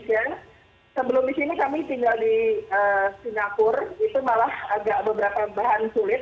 sebelum di sini kami tinggal di singapura itu malah agak beberapa bahan sulit